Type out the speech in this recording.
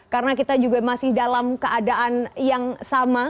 karena kita juga masih dalam keadaan yang sama